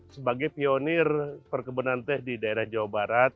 sebagai pionir perkebunan teh di daerah jawa barat